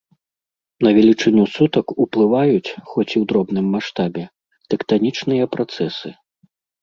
На велічыню сутак уплываюць, хоць і ў дробным маштабе, тэктанічныя працэсы.